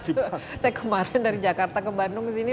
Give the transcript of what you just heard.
saya kemarin dari jakarta ke bandung ke sini